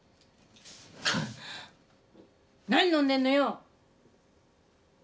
何飲んでんのよ！